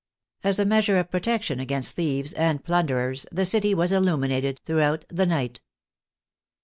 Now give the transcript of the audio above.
As a measure of protection against thieves and plunderers, the city was illuminated through out the night.